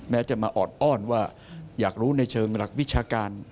จะมาออดอ้อนว่าอยากรู้ในเชิงหลักวิชาการ